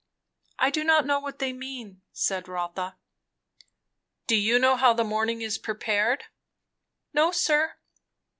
"I do not know what they mean," said Rotha. "Do you know how the morning is prepared?" "No, sir."